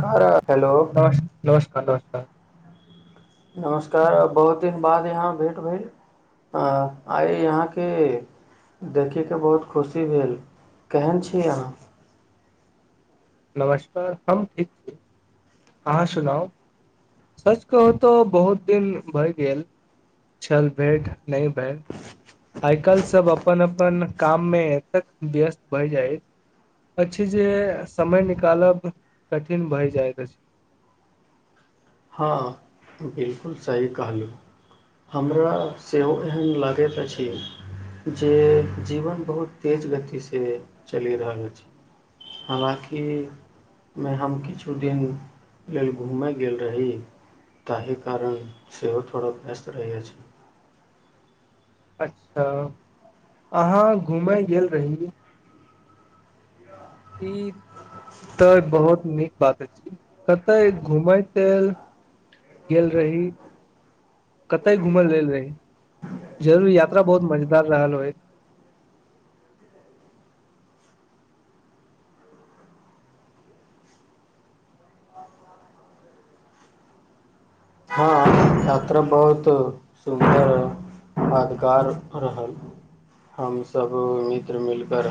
car hello नमस् नमस्कार नमस्कार हँ नमस्कार बहुत बाद यहाँ भेँट भेल आइ यहाँके देखैके बहुत खुशी भेल केहन छी अहाँ नमस्कार हम ठीक छी अहाँ सुनाउ सच कहू तऽ बहुत दिन भए गेल छल भेट नहि भरि आइ काल्हि सभ अपन अपन काममे एतेक व्यस्त भय जाइत अछि जे समय निकालब कठिन भए जाइत अछि हँ बिलकुल सही कहलहुँ हमरा सेहो एहन लागैत अछि जे जीवन बहुत तेज गतिसँ चलि रहल अछि हालाँकिमे हम किछु दिन लेल घूमय गेल रही ताहि कारण सेहो थोड़ा व्यस्त रहै अछि अच्छा अहाँ घूमय गेल रही ई तऽ बहुत नीक बात अछि कते घूमय के गेल रही कते घुमल लेल रही जरर यात्रा बहुत मजेदार रहल होइ हँ यात्रा बहुत सुन्दर आधकार रहल हमस मित्र मिलकर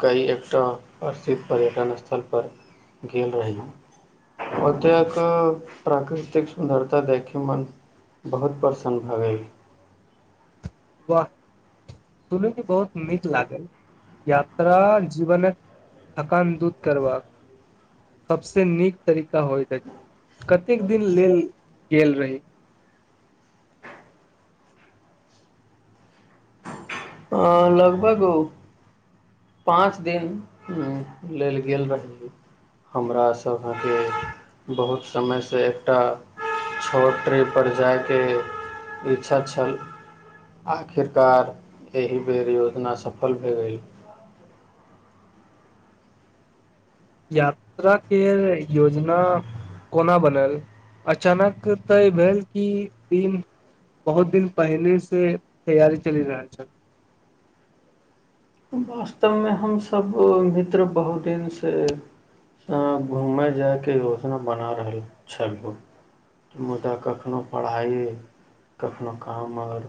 कई एकटा प्रसिद्ध पर्यटन स्थल पर गेल रही ओतेक प्राकृतिक सुन्दर तऽ देखय मोन बहुत प्रसन्न भऽ गेल वाह सुनैमे बहुत नीक लागल यात्रा जीवनक थकान दूत करबाक सबस नीक तरीका होइत अछि कतेक दिन लेल गेल रही अ, लगभग पांच दिन लेल गेल रहिये हमरा सब के बहुत समय एकटा छोट टिप्पणी पर जाय के इच्छा छल आखिर कार एहि बेर योजना सफल भए गेल यात्रा के योजना कोना बनल अचानक तऽ ई भेल कि दिन बहुत दिन पहिनेे से तैयारी चलि रहल छल वास्तवमे हमसभ मित्र बहुत दिनसँ घूमय जायके योजना बना रहल छलहु मुदा कखननो पढ़ाइ कखननो काम आर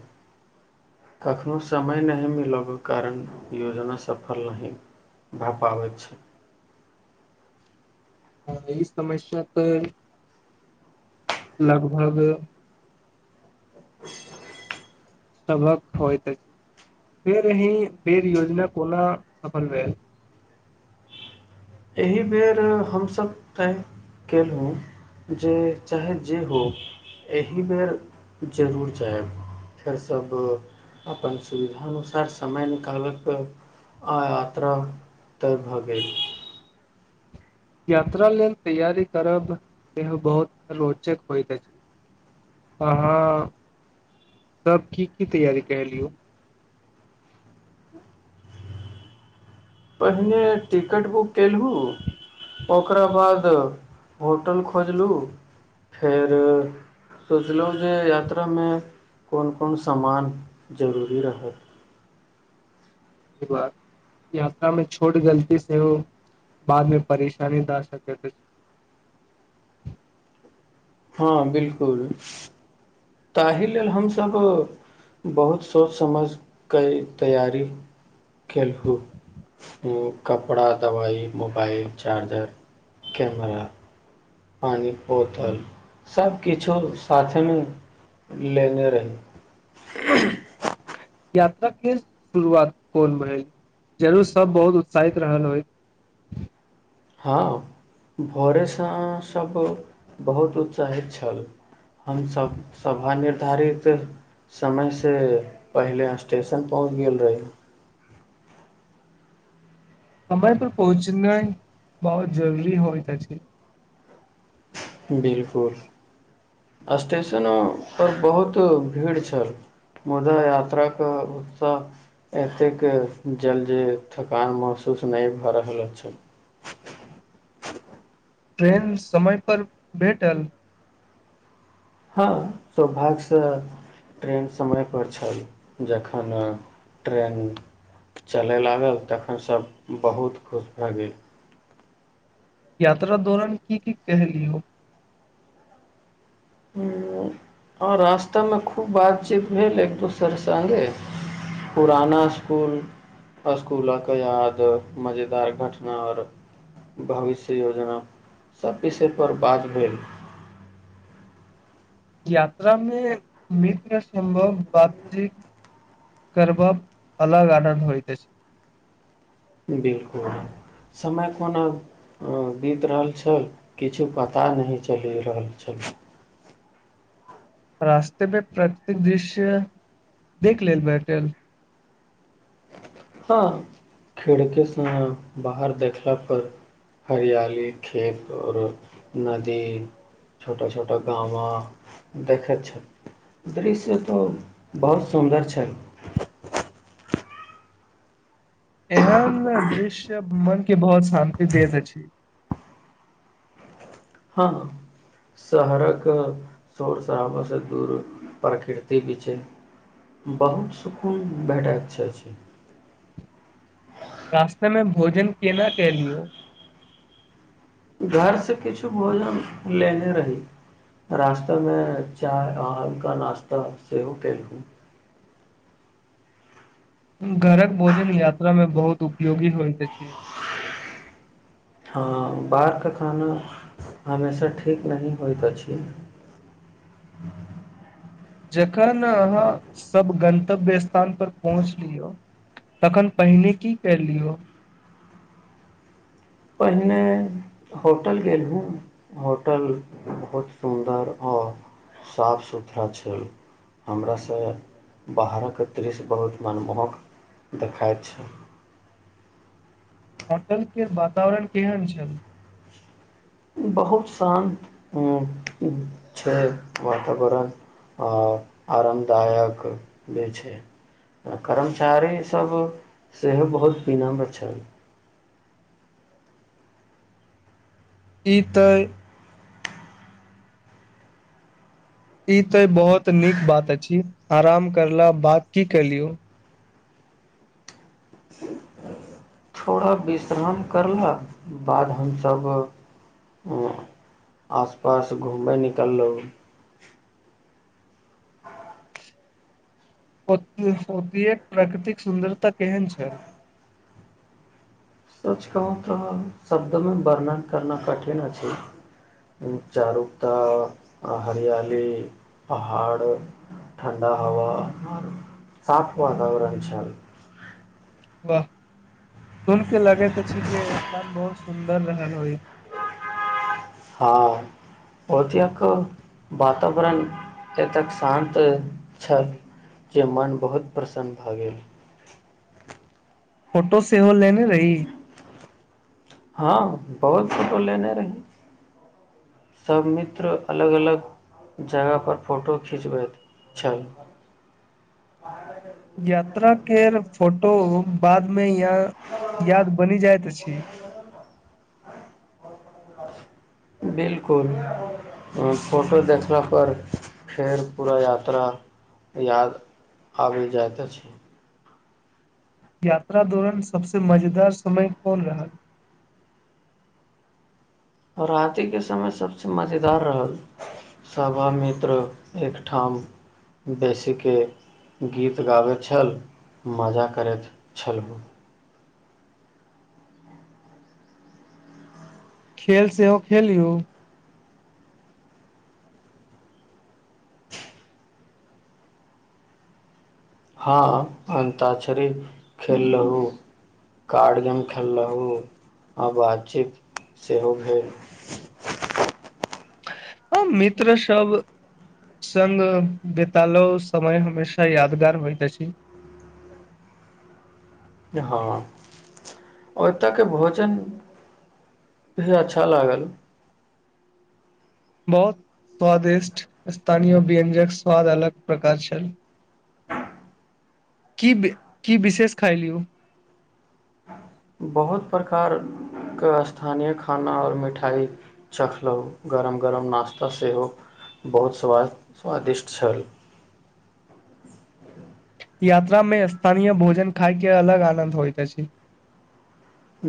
कखनोहु समय नहि मिलयक कारण योजना सफल नहि भऽ पाबैत छै आ ई समस्या तऽ लगभग ा सबक होइ फेर अही फेर योजना कोना सफल भेल एहि बेर हमसभ तय केलहुँ जे चाहे जे हो एहि बेर जरूर जायब फेर सब अपन सुविधा अनुसार समय निकालब आ यात्रा तय भऽ गेल यात्रा लेल तैयारी करब सेहो बहुत रोचक होइत अछि अहाँ सब की की तैयारी केलियौ पहिने टिकट बुक कयेलहुँ ओकरा बाद होटल खोजलहुँ फेर सोचलहुँ जे यात्रामे कोन कोन सामान जरूरी रहत बात यात्रा मे छोट गलती से ओ बादमे परेशानी द सक हँ बिलकुल ताहि लेल हमसभ बहुत सोचि समझि क तैयारी केलहुँ कपड़ा दबाइ मोबाइल चार्जर कैमरा पानिके बोतल सभकिछो साथेमे लेने रही यात्राे शुरुआत कोन भेल जरूर सब बहुत उत्साहित रहल होइ हँ भोरेसँ सभ बहुत उत्साहित छल हमसभ सभा निर्धारित समयसँ पहिले स्टेशन पहुँच गेल रही समरा पर पहुँचनाइ बहुत जरूरी होइ त छै बिलकुल स्टेशनो पर बहुत भीड़ छल मुदा यात्राके ओतऽ एतेक जल जे थकान महसूस नहि भऽ रहल छल ट्रेन समय पर बैठल हँ सौभाग्यसँ ट्रेन समयपर छल जखन ट्रेन चलय लागल तखन सभ बहुत खुश भए गेल यात्रा दौरान की की कहली हो आओ रास्तामे खूब बातचीत भेल एक दोसर सङ्गे पुराना इसकुल इसकुलक याद मजेदार घटना आओर भविष्य योजना सभ विषयपर बात भेल यात्रा मे मित्र सम्भव बातचीत करब अलग अलर होइते छै बिलकुल समय कोना बीत रहल छल किछु पता नहि चलि रहल छल रास्तेमे प्राकृतिक दृश्य देख लेल बैठल हँ खिड़केसँ बाहर देखला पर हरियाली खेत आओर नदी छोटा छोटा गाँवा देखैत छल दृश्य तऽ बहुत सुन्दर छै एहन दृश्य मन के बहुत शान्ति देैत अछि हँ शहरक शौर शराबासँ दूर प्रकृति भी छै बहुत सुकून भेटय इच्छा छै रास्तेमें भोजन केना कलियौ घरसँ किछु भोजन लेने रही रास्तामे चाय आलका नाश्ता सेहो केलहुँ घरक भोजन यात्रामे बहुत उपयोगी होइत छै हँ बाहरके खाना हमेशा ठीक नहिही होइत अछि जखन अहाँ सभ गन्तव्य स्थान परर पहुँच लियौ तखन पहिने की कर लियौ पहिने होटल गेलहुँ होटल बहुत सुन्दर आओर साफ सुथरा छल हमरासँ बाहरक दृश्य बहुत मनमोहक देखाइत छल हतलक वातावरण केहन छल बहुत शान्त छै वातावरण आओर आरामदायक भी छै कर्मचारीसभ सेहो बहुत पीना छल ई तऽ ई तऽ बहुत नीक बात अछि आराम करला बात की कलियौ थोड़ा विश्राम करलक बाद हमसभ आस पास घूमय निकललहुँ तेक प्राकृतिक सुन्दरता केहन छ आजकल तऽ शब्दमे वर्णन करना कठिन अछि चारुता हरियाली पहाड़ ठण्डा हवा साफ वातावरण छल वाह सुन के लगैत छी जे स्थान बहुत सुन्दर रहल होइ हँ ओतेक वातावरण एतेक शान्त छल जे मन बहुत प्रसन्न भऽ गेल फोटो सेहो लेने रही हँ बहुत फोटो लेने रही सब मित्र अलग अलग जगह पर फोटो खिचबैत छल यात्रा के फोटो बाद मे यहाँ याद बनि जाइत छी बिलकुल फोटो देखलापर फेर पूरा यात्रा याद आबि जाइत अछि यात्रा दौरान सबसे मजेदार समय कोन रहल आ रातिके समय सभसँ मजेदार रहल सभ मित्र एकठाम बेसीके गीत गाबैत छल मजा करैत छलहु खेल से हो खेलेल हो हँ अन्ता्षरी खेल रहू कार्ड गेम खेल रहू आ बातचीत सेहो भेल आ मित्र सब सङग बितालो समय हमेशा यादगार होइत जा छै हँ ओतऽ के भोजन भी अच्छा लागल बहुत स्वादिष्ट स्थानीय व्यंजक स्वाद अलग प्रकार छल की की विशेष खााय लि बहुत प्रकारके स्थानीय खाना आओर मिठाइ चखलहुँ गरम गरम नाास्ता सेहो बहुत स्वाद स्वादिष्ट छल ह यात्रा मे स्थानीय भोजन खाायके अलग आनन्द होइत अछि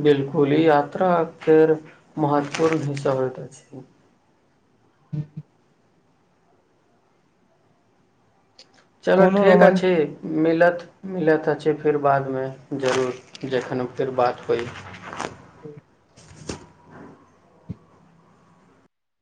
बिलकुल ई यात्राे महत्वपूर्ण हिसाब हो छै ह चलो कोनो ठीक अ रोमांच छै मिलत मिलैत छै फेर बादमे जरूर जखन फेर बात होइ ह